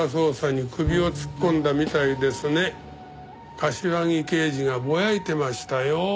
柏木刑事がぼやいてましたよ。